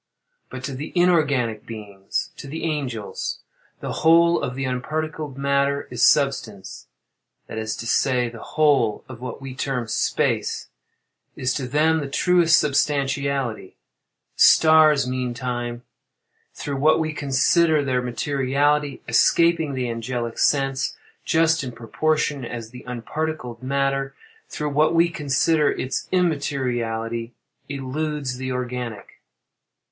But to the inorganic beings—to the angels—the whole of the unparticled matter is substance—that is to say, the whole of what we term "space" is to them the truest substantiality;—the stars, meantime, through what we consider their materiality, escaping the angelic sense, just in proportion as the unparticled matter, through what we consider its immateriality, eludes the organic.